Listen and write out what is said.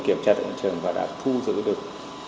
kiểm tra tại hiện trường và đã thu giữ được